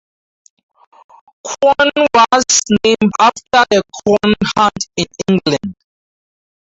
Quorn was named after the Quorn Hunt in England.